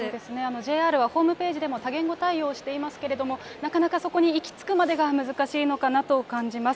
ＪＲはホームページでも多言語対応していますけれども、なかなかそこに行きつくまでが難しいのかなと感じます。